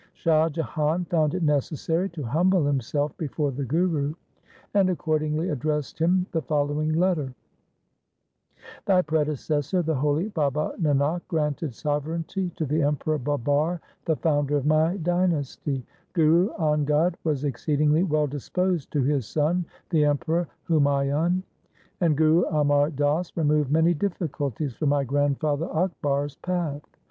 3 Shah Jahan found it necessary to humble himself before the Guru, and accordingly addressed him the following letter :—' Thy predecessor, the holy Baba Nanak granted sovereignty to the Emperor Babar, the founder of my dynasty ; Guru Angad was exceedingly well disposed to his son the Emperor Humayun ; and Guru Amar Das removed many difficulties from my grandfather Akbar's path.